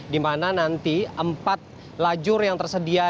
di mana nanti empat lajur yang tersedia